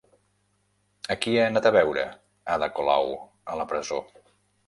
A qui ha anat a veure Ada Colau a la presó?